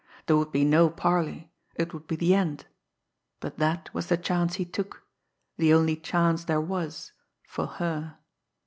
There would be no parley it would be the end! But that was the chance he took, the only chance there was for her.